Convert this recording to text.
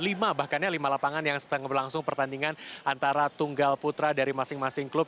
lima bahkannya lima lapangan yang sedang berlangsung pertandingan antara tunggal putra dari masing masing klub